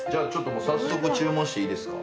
早速注文していいですか？